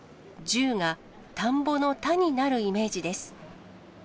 十が田んぼの田になるイメージです。